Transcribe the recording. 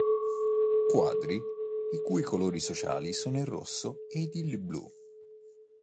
Quadri, i cui colori sociali sono il rosso ed il blu.